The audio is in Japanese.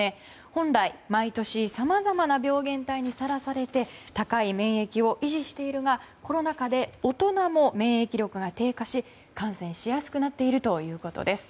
本来、毎年さまざまな病原体にさらされて高い免疫を維持しているがコロナ禍で大人も免疫力が低下し感染しやすくなっているということです。